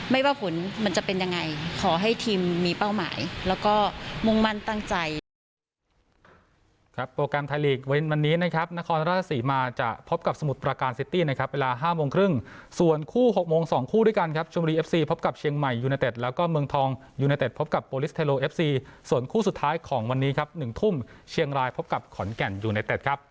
ว่าผลมันจะเป็นยังไงขอให้ทีมมีเป้าหมายแล้วก็มุ่งมั่นตั้งใจ